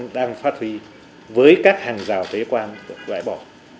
đang phát huy với các hàng rào thế quan được bãi bỏ